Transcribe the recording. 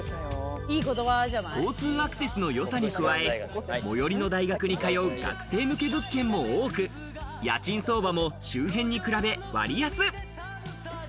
交通アクセスのよさに加え、最寄りの大学に通う学生向け物件も多く家賃相場も周辺に比べ割安。